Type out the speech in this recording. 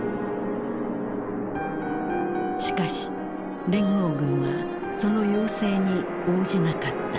しかし連合軍はその要請に応じなかった。